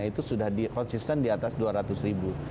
itu sudah konsisten di atas dua ratus ribu